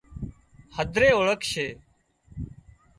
هڌري اوۯکشي